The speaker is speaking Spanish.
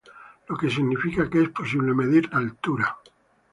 Lo que significa que es posible medir la altura.